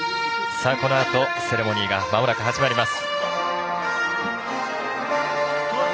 このあとセレモニーが始まります。